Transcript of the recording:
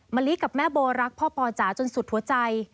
มะลิกับแม่โบรักพ่อปอจ๋าจนสุดหัวใจ